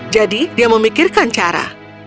jadi dia memikirkan cara